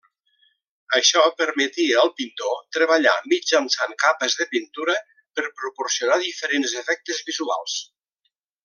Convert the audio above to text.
Això permetia al pintor treballar mitjançant capes de pintura per proporcionar diferents efectes visuals.